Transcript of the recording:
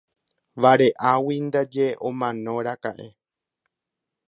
Vare'águi ndaje omanóraka'e.